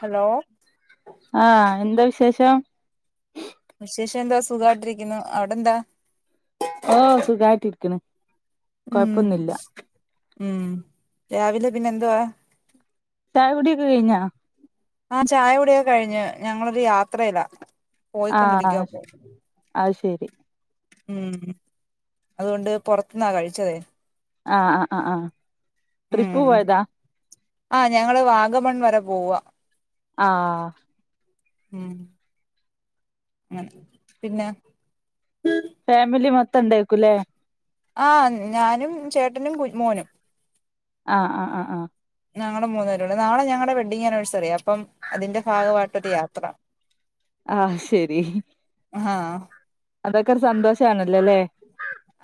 Hello ശേഷം ശേഷം എന്താ സുഖമായിട്ടിരിക്കുന്നു അവിടെ എന്താ ഓ സുഗായിട്ടിരിക്കണ് ഉം ഉം രാവിലെ പിന്നെ എന്തുവാ തായ കുടിയൊക്കെ കഴിഞ്ഞാ ആഹ ചായ കുൂടിയൊക്കെ കഴിഞ്ഞു ഞങ്ങളൊരു യാത്രയില ആഹ ആഹ അത് ശരി ഉം അതുകൊണ്ട് പുറത്തുന്നാ കഴിച്ചതേ ആഹ ആഹ ആഹ ആഹ ഉം ട്രിപ്പ് പോയതാ ആ ഞങ്ങള് വാഗമൺ വരെ പോവാ ആ ഉം ഉം പിന്നെ ഫാമിലി മൊത്തം ഇണ്ടക്കുംല്ലേ ആഹ ഞാനും ചേട്ടനും കു മോനും ആഹ ആ ആഹ് ആഹ ഞങ്ങള് മൂന്നേരംണ്ട് നാളെ ഞങ്ങടെ വെഡിങ്ങാനിവേഴസറിയാ അപ്പം അതിന്റെ ഭാഗമായിട്ടൊരു യാത്ര ആഹ് ശരി ആഹ അതൊക്കെ ഒരു സന്തോഷ ആണല്ലോല്ലേ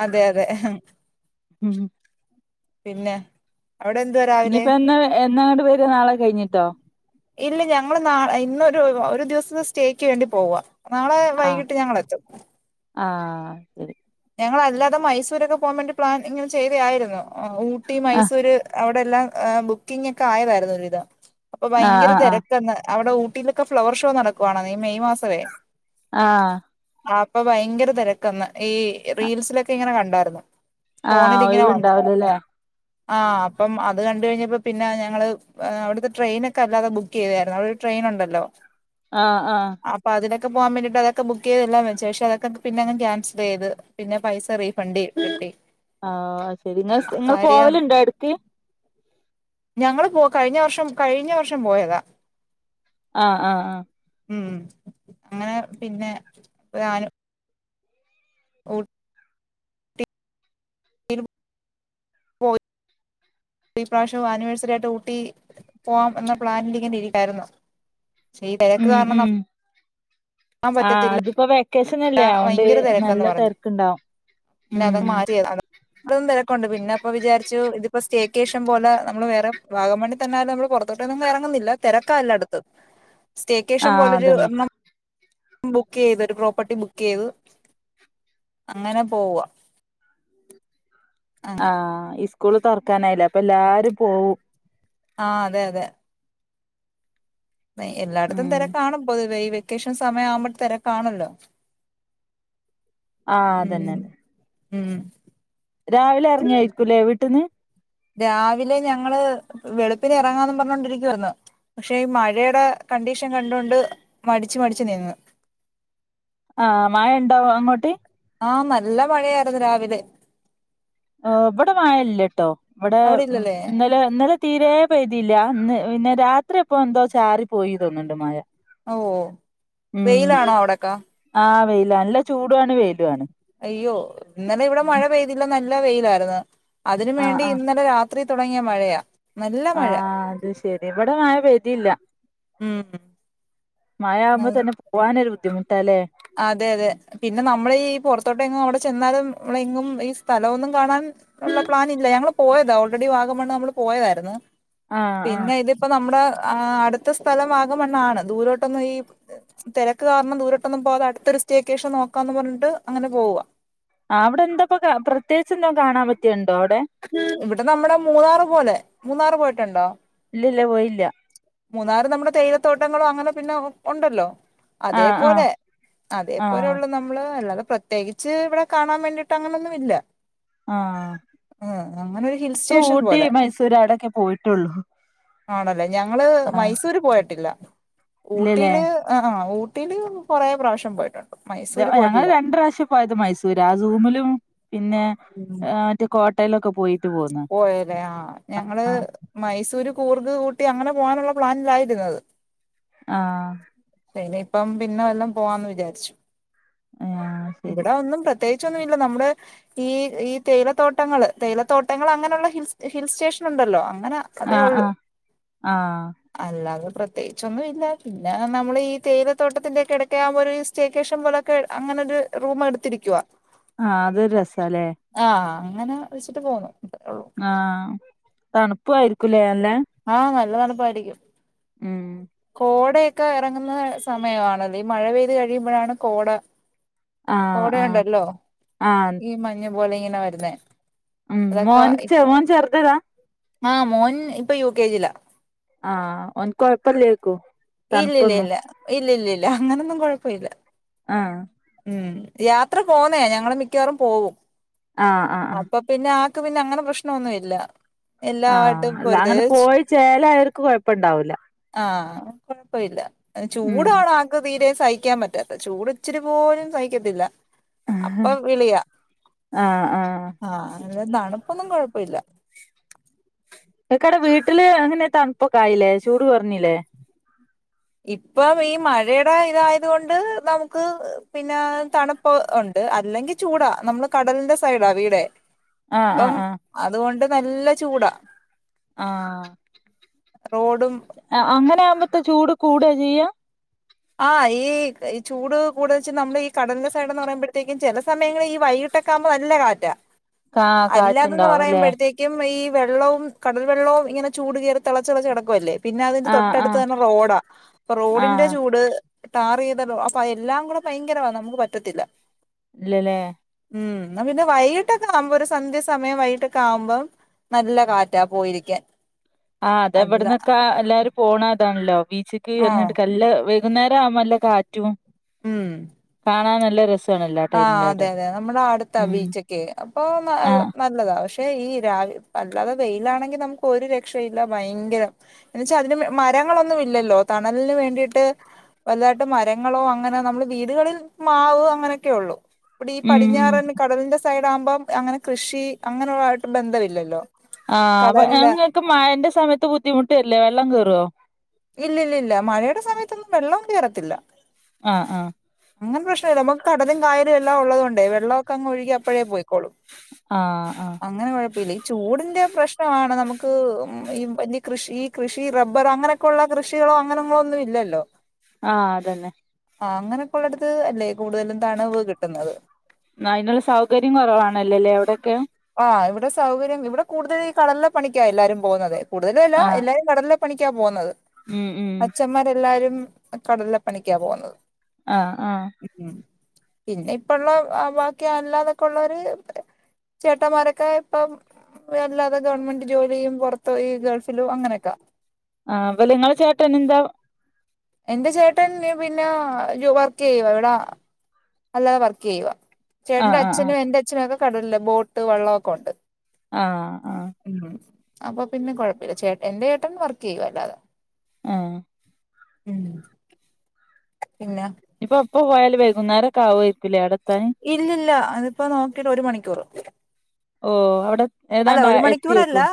അതെ അതെ ഹം പിന്നെ അവിടെ എന്തുവാ രാവിലെ ഇനിയിപ്പോ എന്നാ എന്നാങ്ങട്ട വരുവാ നാളെ കഴിഞ്ഞിട്ടോ ഇല്ല ഞങ്ങൾ നാ ഇന്നൊരുദിവസത്തെ സ്റ്റേക്ക് വേണ്ടി പോവാ നാളെ വൈകിട്ട് ഞങ്ങൾ എത്തും ആഹ ശരി ഞങ്ങളല്ലാതെ മൈസൂരൊക്കെ പോകാൻവേണ്ടി പ്ലാൻ ഇങ്ങനെ ചെയ്തയായിരുന്നു ഊ ട്ടി ആഹ് മൈസൂര് അവ് വിടെല്ലാം ബുക്കിംങ് ഒക്കെ ആയതായിരുന്നു ഒരുവിധം അപ്പൊ ആഹ് ഭയങ്കര ആഹ് ആഹ് തിരക്കന്ന് അവിടെ ഊട്ടിയിലൊക്കെ ഫ്ലവർ ഷോ നടക്കുവാണ് ഈ മെയ് മാസമേ ആഹ് ആ അപ്പൊ ഭയങ്കര തിരക്കന്ന് ഈ റീൽസിലൊക്കെ ഇങ്ങനെ കണ്ടായിരുന്നു ഫോണിൽ ആഹ് ഇങ്ങനെ വന്ന ഒഴിവുണ്ടാവുലല്ലേ ആ അപ്പം അത് കണ്ട് കഴിഞ്ഞപ്പോ പിന്നെ ഞങ്ങള് അവിടുത്തെ ട്രെയിന് ഒക്കെ അല്ലാതെ ബുക്ക് ചെയ്തായിരുന്നു അവിടെ ഒരു ട്രെയിൻ ഉണ്ടല്ലോ ആ ആ ക്കെ പോവാൻ വേണ്ടീട്ട് അതൊക്കെ ബുക്ക് ചെയ്തെല്ലാം വച്ച് പക്ഷെ അതെക്ക ക് പിന്നെ അങ്ങ് ക്യാൻസൽ ചെയ്ത് പിന്നെ പൈസ റീഫണ്ട് കിട്ടി ആഹ് ശെരി നിങ്ങ സ്‌ നിങ്ങൾ കാര്യം പോവലുണ്ടോ എടക്ക് ഞങ്ങള് പോ കഴിഞ്ഞ വർഷം കഴിഞ്ഞ വർഷം പോയതാ ആഹ് ആഹ് ആ ഉം അങ്ങനെ പിന്നെ ഞാനും ഊ [unintelligible] [unintelligible] ഈ പ്രാവശ്യവും ആനിവേഴ്സറി ആയിട്ട് ഊട്ടി പോവാം എന്ന പ്ലാനിൽ ഇങ്ങനെ ഇരിക്കായിരുന്നു. പക്ഷെ ഈ തിരക്ക് ഉം കാരണം ന ഉം ആഹ് അത്പ്പ വെ വെക്കേഷനല്ലേ അതൊണ്ട് ഇത് ഭയങ്കര തിരക്കന്ന് നല്ല പറഞ്ഞു തെരക്കുണ്ടാവും പിന്നെ അതങ്ങ് മ്ഹ് മാറ്റിയതാ ഇപ്പളും തെരക്കുണ്ട് പിന്ന അപ്പൊ വിചാരിച്ചു ഇതിപ്പോ സ്റ്റേക്കേഷൻ പോലെ നമ്മള് വേറെ വാഗമണ്ണിൽ തന്നായാലും നമ്മള് പുറത്തോട്ടൊന്നും എറങ്ങുന്നില്ല തിരക്കാ എല്ലടുത്തും. സ്റ്റേക്കേഷൻ ആഹ് പോലൊരു അതന്നെ മം ബുക്ക് ചെയ്ത് ഒരു പ്രോപ്പർട്ടി ബുക്ക് ചെയ്ത് അങ്ങനെ പോവുവാ ആഹ് ഇഫ് സ്കൂള് തൊറക്കാനായില്ലേ അപ്പൊ എല്ലാരും പോവും ആ അതെ അതെ എ എല്ലായിടത്തും ഉം തെരക്കാണ് പൊതുവേ ഈ വെ വെക്കേഷൻ സമയം ആവുമ്പോ തെരകാണല്ലോ ആഹ് അതന്നന്നെ ഉം രാവിലെ എറങ്ങിയായിരിക്കൂല്ലേ വീട്ടിന്ന് രാവിലെ ഞങ്ങള് വെളുപ്പിന് എറങ്ങാന്ന് പറഞ്ഞോണ്ടിരിക്കുവർന്ന് പക്ഷേ ഈ മഴയുടെ കണ്ടീഷൻ കണ്ടൊണ്ട് മടിച്ചു മടിച്ചു നിന്ന് ആഹ് മഴ ഉണ്ടാവും അങ്ങോട്ട് ആഹ നല്ല മഴയായിരുന്നു രാവിലെ ആ ഇവിടെ വായല്ല കേട്ടോ ഇവിടെ അവിടെ ഇല്ലല്ലേ ഇന്നല ഇന്നലെ തീരെ പ ഇല്ല അന്ന് പിന്നെ രാത്രി എപ്പോ എന്തോ ചാറി പോയി തോന്നുന്നുണ്ട് മായ ഓ വെയിലാണോ അവിടക്കാ ആഹ് വെയില നല്ല ചൂടുണ് വെലുണ് അയ്യോ ഇന്നലെ ഇവിടെ മഴ പെയ്തില്ല നല്ല എല്ല വെയിലായിരുന്നു അതിനുവേണ്ടി ഇന്നലെ രാത്രി അത്രരി തുടങ്ങിയ മഴയാ നല്ല മഴ ആഹ അത് ശരി ഇവിടെ മഴ പെയതിയില്ല ഉം മഴ ആകുമ്പോ അത് തന്നെ പോവാനരു ബുദ്ധിുട്ടേ അതെ അതെ പിന്നെ നമ്മൾീഈ പൊറത്തോട്ട എങ്ങും അവിടെ ചെന്നാലും നമ്മള എങ്ങും ഈ സ്ഥലമൊന്നും കാണാൻ ഉള്ള പ്ലൻ ഇല്ല ഞങ്ങള്ൾ പോയതാ ഓൾറെഡി വാഗംണ് നമ്മള് പോയതായിരുന്നു ആഹ് ആഹ് പിന്നെ ഇതിപ്പോ നമ്മുടെ ആ് അടുത്ത സ്ഥലം ആഗമണ്ണ ആണ് ദൂരോട്ടൊന്നും ഈ തിരക്ക് കാരണം ദൂരോട്ടൊന്നും പോതെ അടുത്തൊരു സ്റ്റിയൊക്കെേഷം നോക്കാന്ന് പറഞ്ഞിട്ട് അങ്ങനെ പോവുക ആ അവിടെ എന്താപ്പ പ്രത്യേകി എന്തും കാണാൻ പറ്റിയുണ്ട് ഇവിടെ നമ്മടെ മൂന്നാറ് പോലെ മൂന്നാറ് പോയിട്ടുണ്ടോ ഇല്ല ഇല്ല പോയില്ല മൂന്നാറ് നമ്മുടെ തേയിലത്തോട്ടങ്ങളോ അങ്ങനെ പിന്നെ ഉണ്ടല്ലോ ആഹ് ആഹ് അതേപോലെ അതേപോലെ ആഹ് ഉള്ളൂ നമ്മള് അല്ലാതെ പ്രത്യേകിച്ച് ഇവിടെ കാണാൻ വേണ്ടിട്ട് അങ്ങനൊന്നും ഇല്ല ആഹ ആഹ് അങ്ങനെ അ ഊട്ടി മൈസൂർ അടെൊക്കെ പോയിട്ടുള്ളു ആണല്ലേ ഞങ്ങള് മൈസൂര് പോയിട്ടില്ല ഇല്ലല്ലേ ഊട്ടിയില് ആ കുട്ടൽ കുറേ പ്രാവശ്യം പോയിട്ടുണ്ട് മൈസൂര് ഞങ്ങള്ൾ പോയിട്ടില്ല രണ്ട പ്രാവശ്യ പോയത് മൈസൂര് ആ ൂമിലും പിന്നെ മറ്റ കോട്ട യിലൊക്കെ പോയി പോയല്ലെ ആ് ഞങ്ങള് മൈസൂര് കൂർഗ കൂട്ടി അങ്ങനെ പോകാനുള്ള പ്ലാനിലായിരുന്നത് ആഹ അപ്പം പിന്നെ വല്ലം പോവാന്ന് വിചാരിച്ചു ആഹ് ശരി ഇവിടാ ഒന്നും പ പ്രത്യേകിച്ചൊന്നുമ ഇല്ല നമ്മള് ഈ ഈ തേയിലത്തോട്ടങ്ങൾ തേയിലത്തോട്ടം ട്ടങ്ങൾങ്ങനുള്ള ഹിൽ ഹിൽ സ്റ്റേഷൻ ഉണ്ടല്ലോ അന അതെ ആഹ് ഒള്ളു ആഹ് ആഹ് അല്ലത പ്രത്യേകിച്ചൊന്നും ഇല്ല പിന്നെ നമ്മൾ ഈ തേയിലത്തോട്ടത്തിന്റെ ഒക്കെടക്ക ആകുമ്പോ സ്റ്റേക്കേഷം പോലൊക്കെ അങ്ങനൊ ഒരു റൂം എടുത്തിരിക്കുവ ആഹ അത രസല്ലേ അങ്ങനെ വെച്ചിട്ട് പോന്നു അത്രേ ഉള്ളൂ ആഹ തണുപ്പായിയിരിക്കുംല്ലേ അല്ലെ ആഹ നല്ല തണുപ്പായിരിക്കും ഉം കോടയൊക്കെ ഇറങ്ങുന്ന സമയമാണല്ല ഈ മഴ പെയ്ത് കഴിയുമ്പോഴാണ് കോട ആഹ ആഹ കോടയുണ്ടല്ലോ ആഹ ഈ മഞ്ഞ് പോലെ ഇങ്ങനെ വരുന്നേ ഉം മോഹൻക്ക് ചെ മോഹൻ ചേർത്തതാ ആഹ മോൻ ഇപ്പൊ യു കെ ജിലാ ആഹ ഒന്ന കൊഴപ്പ ലേക്കു ഇല്ല ഇല്ല ഇല്ല ഇല്ല ഇല്ല ഇല്ല ല്ല അങ്ങനൊന്നും കുഴപ്പമില്ല ആഹ ഉം യാത്ര പോുന്നേ ഞങ്ങള് മിക്കവാറും പോവും ആഹ് ആഹ് ആഹ് അപ്പൊ പിന്നെ ആ പിന്നെ അങ്ങനെ പ്രശ്നം ഒന്നുമ ഇല്ല എല്ലാമായിട്ടും ആഹ അല്ല അങ്ങനെ പൊരുത്തം പോയി ചേല അവർക്ക് കൊഴപ്പ ഇണ്ടാവൂില്ല പോയില്ല അ ചൂടാണോ ആക്ക തീരെ തഹിക്കാൻ പറ്റാത്ത ചൂട് ഇച്ചിരി പോലും സഹിക്കത്തില്ല ആഹ് അപ്പൊ വിളിയ ആഹ് ആഹ അല്ല തണുപ്പൊന്നും കൊഴപ്പ ഇില്ല എക്കട വീട്ടില് അങ്ങനെ തണുപ്പൊക്കെ ആായില്ലേ ചൂട് പറഞ്ഞില്ലേ ഇപ്പം ഈ മഴയുടെ ഇതായത കൊണ്ട് നമുക്ക് പിന്നെ തണുപ്പ് ഉണ്ട് അല്ലെങ്കിൽ ചൂടാ നമ്മള് കടലിന്റെ സൈഡാ വീടെ ആഹ് അപ്പം ആഹ് അതുകൊണ്ട് നല്ല ചൂടാ ആഹ റോഡും അങ്ങനെ ആകുമ്പ ഇത്ത ചൂട് കൂടാ ചെയ്യ്യ ആഹ ഈ ഈ ചൂട് കൂടുതെ നമ്മള് ഈ കടലിന്റെ സൈഡ എന്ന് പറയുമ്പോഴത്തേക്കും ചില സമയങ്ങളിൽ ഈ വൈകിട്ടൊക്ക ആകുമ്പോ നല്ല കാറ്റാ കാ അല്ലാതന്ന് കാറ്റുണ്ടാവുംല്ലേ പറയുമ്പോഴത്തേക്കും ഈ വെള്ളവും കടൽവെള്ളവും ഇങ്ങനെ ചൂട് കയറി തിളച്ചിളച്ചടക്കം അല്ലേ പിന്നെ അതിന്റെ ആഹ് തൊട്ടടുത്ത് ആഹ് തന്നെ റോഡാ അ റോഡിന്റെ ആഹ് ാർ ചെയ്തലോ അപ്പൊ അതെല്ലാം കൂടെ ഭയങ്കരവാ നമുക്ക് പറ്റത്തില്ല അേ ഉം പിന്നെ വൈകിട്ടൊക്കെ ആവുമ്പോ ഒരു സന്ധ്യ സമയം വൈകിട്ടൊക്കെ ആവുമ്പം നല്ല കാറ്റാ പോയിരിക്കാൻ ആ അതെ അല്ല എവിടന്നൊക്കെ എല്ലാരും പോണ അൺലോക്ക് ബീച്ചക്ക് ആഹ് കയഞ്ഞിട്ട് കല്ല വൈകുന്നേരം ആവ്പല്ലേ കാറ്റു ഉം കാണാൻ നല്ല രസം ആഹ അതെ അതെ നമ്മുടെ അടുത്താ ഉം ബീച്ചൊക്കെ അപ്പൊ ആഹ് നല്ലതാ പക്ഷെ ഈ രവി അല്ലാതെ വെയിലാണെങ്കിൽ നമുക്ക് ഒരു രക്ഷയില്ല ഭയങ്കരം എന്നുവച്ചാ അതിന് മരങ്ങളൊന്നും ഇല്ലല്ലോ തണലിന് വേണ്ടിട്ട് വല്ലതായിട്ട് മരങ്ങളോ അങ്ങനെ നമ്മള് വീടുകളിൽ മാവ് അങ്ങനെ ഒെ ഉള്ളൂ ഇപ്പടെ ഈ ഉം പടിഞ്ഞാറൻ കടലിന്റെ സൈഡ ആകുമ്പോം അങ്ങനെ കൃഷി അങ്ങനെയായിട്ട് ബന്ധ ഇില്ലല്ലോ ആഹ് അപ്പൊ നിക്ക് മന്റെ സമയത്ത് ബുദ്ധിമുട്ട്രില്ലേ എല്ലാം കറ ഇല്ല ഇല്ല ഇല്ല മഴയുടെ സമയത്തൊന്നും വെള്ളം ചേരത്തില്ല ആഹ് ആഹ് അങ്ങനെ പ്രശ്ന നമുക്ക് കടലും കായ ല്ല ഉള്ളത കൊണ്ട് വെള്ളമക്കെ അങ് ഒഴുകി അപ്പോഴേ പോയി ആഹ് ആഹ് അങ്ങനെ കുഴപ്പല്ല ചൂടിന്റെ പ്രശ്നമാണ് നമുക്ക് ഈ വ കൃഷി ഈ കൃഷി റബ്ബർ അങ്ങനെെ ുള്ള കൃഷികളോ അങ്ങനങ്ങളോ ഒന്നും ഇല്ലല്ലോ ആഹ അതന്നെ ആ അങ്ങനെയൊക്കെള്ളടടുത്ത് അല്ലേ കൂടുതലും തണവ് കിട്ടുന്നത് അതിനുള്ള സൗകര്യം കുറവാണലല്ലേ അവിടൊക്കെ ആ ഇവിടെ സൗകര്യം ഇവിടെ കൂടുതൽ ഈ കടലില പണിക്ക എല്ലാരും പോകുന്നത് കൂടുതലു അല്ല ആഹ് എല്ലാരും കടലി പണിക്ക പോകുന്നത് ഉം ഉം അച്ഛമാർ എല്ലാരും കടലിലപ്പണിക്ക പോകുന്നത് ആഹ് ആഹ് ഉം പിന്നെ ഇപ്പ ഉള്ള ബാക്കി അല്ലാതൊക്കെ ഉള്ളര് ചേട്ടന്മാരൊക്കെ ഇപ്പം ആല്ലാതെ ഗവൺമെന്റ് ജോലിയും പൊറത്തോയി ഗൾഫിലു അങ്ങനെ ഒക്ക ആ അപ്പ നിങ്ങള ചേട്ടനെന്താ എന്റെ ചേട്ടന് പിന്നെ വർക്ക് ചെയ്യുവ ഇവിട അല്ലാതെ വർക്ക് ചെയ്യുവ ചേട്ടന്റെ ആഹ് ആഹ് ആഹ് അച്ഛനും എന്റെ അച്ഛനുമൊക്കെ കടലല്ല ബോട്ട് വള്ളമൊക്കെ ഉണ്ട് ആഹ് ആഹ് ഉം അപ്പൊ പിന്നെ കുഴപ്പമില്ല ചേട്ടൻ എന്റെ ചേട്ടൻ വർക്ക് ചെയ്യുവ അല്ലാത ആഹ് ഉം പിന്ന ഇപ്പം പോയൽ വൈകുന്നേരക്ക ആവമായിരിക്കല്ലേ അവിടെ എ ഇല്ലില്ല അതിപ്പോ നോക്കിട്ട് ഒരു മണിക്കൂർ ഓ അവിടെ അല്ല ഏതാണ്ട് ഒരു മണിക്കൂറല്ല എത്തിയേക്കും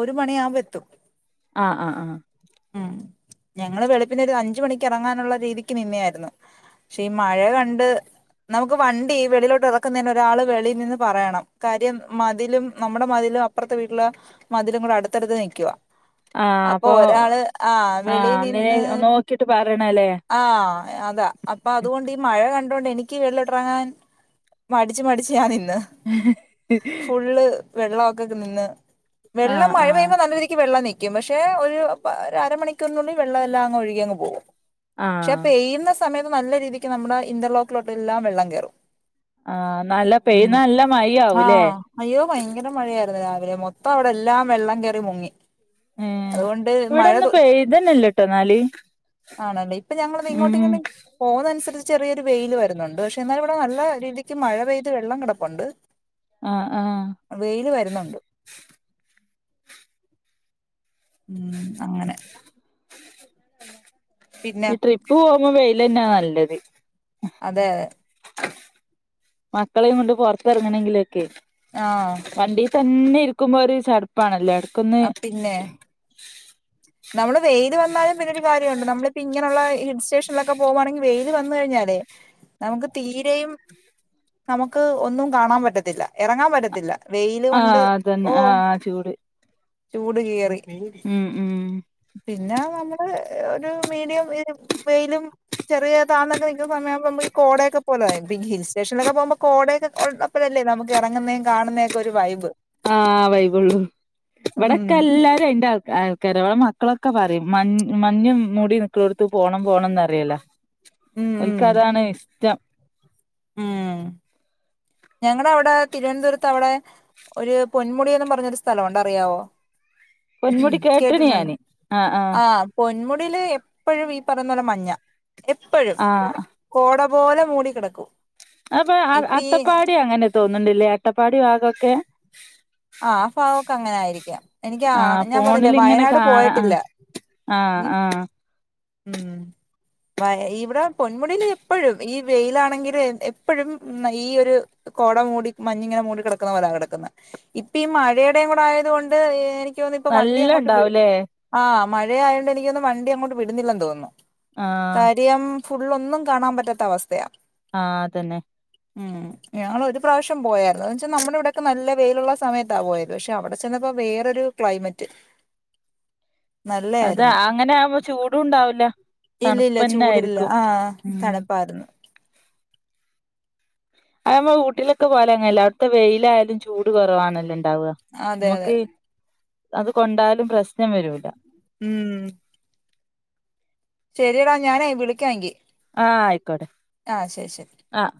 ഒരു മണിയാകുമ്പോ എത്തും ആ ആ ആ ഉം ഞങ്ങള് വെളുപ്പിന് ഒരു അഞ്ച മണിക്ക് ഇറങ്ങാനുള്ള രീതിക്ക് നിന്നായിരുന്നു. പക്ഷെ ഈ മഴ കണ്ട് നമുക്ക് വണ്ടി വെളിയിലോട്ട് ഇറക്കുന്നതിന് ഒരാള് വെളിയിൽ നിന്ന് പറയണം കാര്യം മതിലും നമ്മുടെ മതിലും അപ്പുറത്തെ വീട്ടിലെ മതിലും കൂടെ അടുത്തടുത്ത് നിക്കുവ അപ്പൊ ഒരാള് ആ വെളി ആഹ് നേ നിന്ന് നോക്കിട്ട് പറയണല്ലേ ആ അതാ അപ്പൊ അതുകൊണ്ട് ഈ മഴ കണ് എനിക്ക് വെളിയോട്ട്റങ്ങാൻ മടിച്ച് മടിച്ച് ഞാൻ നി ന്ന് ഫുള് വെള്ള ഒക്കെക് നിന്ന് വെള്ളം ആഹ് ആഹ് മഴപെയ്യുമ്പം നല്ല രീതിക്ക് വെള്ളനീ ക്കും പക്ഷെ ഒരു അരമണിക്കൂറിനുള്ളിൽ വെള്ളം എല്ലാം അങ്ങ് ഒഴുകി അങ്ങ് പോകും ആഹ് പക്ഷേ പെയ്യുന്ന സ ഇ സമയത്ത് നല്ല രീതിക്ക് നമ്മുടെ ഇന്റർലോക്കിലോട്ടെല്ലാം വെള്ളം കയറും ആ നല്ല പെയ്യുന്ന നല്ല മഴയാവും ല്ലേ ആഹ് അയ്യോ ഭയങ്കര മഴയായിരുന്നു രാവിലെ മൊത്തം അവിടെ എല്ലാം വെള്ളം കേറി മുങ്ങി ഏഹ് അതത്കൊണ്ട് മഴ ഇവിടൊന്ന് പെയ്തന്നെല്ലട്ടോ എന്നാല് ആണല്ലേ ഇപ്പ ഞങ്ങള്താ ഉം ഇങ്ങോട്ടിങ്ങനെ പോകുന്നനുസരിച്ച് ചെറിയൊരു വെയില വര് ന്ന്ണ്ട് പക്ഷെ എന്നാല് ഇവടെ നല്ല രീതിക്ക് മഴ പെയ്ത് വെള്ളം കെടപ്പുണ്ട് ആ വെയിൽ വരുന് ന്ന്ണ്ട് ഉം അങ്ങനെ പിന്നെ ഇ ട്രിപ്പു പോ മ്പോ വെയിലെന്നെ നല്ലത് അതെ അതെ മക്കളെയും കൊണ്ട് പൊറത്ത് ഇറങ്ങണേങ്കില് ആഹ് [unintelligible] വണ്ടി തന്നെ ഇരിക്കുമ്പോ ഒരു ചടപ്പാണല്ലോ എട ആ പിന്നെ നമ്മള് വെയ്ല് വന്നാലും പിന്നൊരു കാര്യ ഉണ്ട് നമ്മള്പ്പം ഇങ്ങനെയുള്ള ഹിട്സേഷ [unintelligible] പോവാണെങ്കി വെയില് വന്ന് കഴിഞ്ഞാലേ നമക്ക് തീരയും നമുക്ക് ഒന്നും കാണാൻ പറ്റത്തില്ല. ഇറങ്ങാൻ പറ്റത്തില്ല. വെയില് ആ കൊണ്ട് അതന്നെ ഓ ആ ആ ചൂട് ചൂട് കേറി നേടി ഉം ഉം പിന്നെ നമ്മള് ഒരു മീഡിയം വെയിലും വെയിലും ചെറിയതാന്നൊക്കെ നിൽക്കുന്ന സമയാകുമ്പോ നമക്ക് ഈ കോടയൊക്കെ പോലെ ഹിൽ സ്റ്റേഷനിലൊക്കെ പോകുമ്പോ കോടയൊക്കെ ഉള്ളപ്പഴല്ലേ നമുക്ക് ഇറങ്ങ്ന്നേ കാണുന്നന്നേക്കെ ഒരു വൈബ്. ആ വൈകൊള്ളൂ. ഉം ഇവിടെക്കെ എല്ലാരരും ഉണ്ട- കരവള മക്കളൊക്കെ പറയും മഞ് മഞ്ഞ് മുടി നിക്കളോടുത്ത പോണം പോണംന്ന് അറിയല്ലോ. ഉം ഉം എക്ക് അതാണ് ഇഷ്ടം. ഉം ഞങ്ങളുടെ അവിടെ തിരുവനന്തപുരത്ത് അവിടെ ഒരു പൊന്മുടിയന്ന് പറഞ്ഞൊരു സ്ഥലംുണ്ട അറിയാവോ പൊന്മുടി കേട്ടന ഞാന്, ആഹ ആഹ നടില് എപ്പഴും ഈ പറഞ്ഞ പോലെ മഞ്ഞ എപ്പോഴും, ആഹ് കോട- പോലെ മൂടിക്കിടക്കൂ. അ അത്തപ്പാടി അങ്ങനെ തോന്നണ്ടില്ലേ അട്ടപ്പാടി ഭാഗൊക്കെ. ആ അ ഫാവൊക്കെ അങ്ങനെ ആയിരിക്കും ആഹ ഫോണിൽിങ്ങനെ കാണാ, പോയിട്ടില്ല ആഹ ഈ ആഹ ഉം വ ഇവിടെ പൊന്മുടിൽ എപ്പോഴും ഈ വെയിലാണെങ്കിൽ, എപ്പോഴും ഈ ഒരു കോട മൂടി മഞ്ഞിങ്ങനെ മൂടി കിടക്കുന്ന പോല കിടക്കുന്ന. ഇപ്പ ഈ മഴയുടെയും കൂടെ ആയത കൊൊണ്ട് എനിക്ക് ഇപ്പ വണ്ടി നല്ല അങ്ങോട്ട് വീട ഉണ്ടാവൂലേ ആ് മഴയതൊണ്ട് എനിക്കൊന്ന വണ്ടി അങ്ങോട്ട് വിടുന്നില്ലെന്ന് തോന്നുന്നു. ആ കാര്യം ഫുള് ഒന്നും കാണാൻ പറ്റാത്ത അവസ്ഥയാ. ആഹ അതന്നെ. ഉം ഞങ്ങൊ ഒരു പ്രാവശ്യം പോയായിരുന്നു. വെച്ചാൽ നമ്മുടെ ഇവിടൊക്കെ നല്ല വെയിലുള്ള സമയത്ത് ഇ പോയത് പക്ഷെ അവിടെ ചെന്നപ്പോ വേറൊരു ക്ലൈമറ്റ്. അത നല്ലായിരുന്നു അങ്ങനെ ആവുമ്പോ ചൂടണ്ടാവില്ല ഇല്ലില്ല തണുപ്പന്നെ ചൂടില്ല ആായിരിക്കും ആഹ് ഉ തണുപ്പായിരുന്നു അത നമ്മ വീട്ടിലൊക്കെ പോല അങ്ങല്ല അവിടുത്തെ വെയിലായാലും ചൂട് കുറവാണല്ലോ ഉണ്ടാവ അതെ അതെ നമ്മക്ക് അത് കൊണ്ടാലും പ്രശ്നം വരൂല്ല ഉം ശരിടാ ഞാനൻ വിളിക്കാ എെങ്കി ആ ക ആഹ